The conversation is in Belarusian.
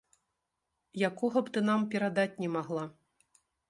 Якога б ты нам перадаць не магла.